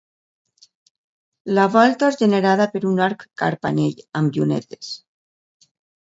La volta és generada per un arc carpanell, amb llunetes.